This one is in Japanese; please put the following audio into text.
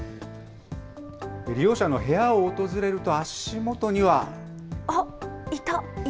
利用者の部屋を訪れると足元には。